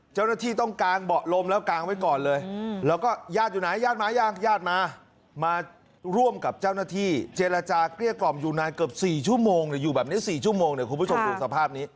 เจ้าหน้าที่ต้องกางเบาะลมแล้วกางไว้ก่อนเลยแล้วก็ญาติอยู่ไหนญาติมายังญาติมามาร่วมกับเจ้าหน้าที่เจรจาเกลี้ยกล่อมอยู่นานเกือบ๔ชั่วโมงหรืออยู่แบบนี้๔ชั่วโมงเดี๋ยวคุณผู้ชมดูสภาพนี้